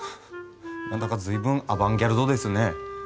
何だか随分アバンギャルドですね。